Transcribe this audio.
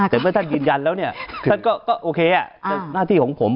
แต่เมื่อท่านยืนยันแล้วเนี่ยท่านก็โอเคหน้าที่ของผม